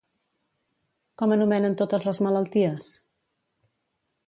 Com anomenen totes les malalties?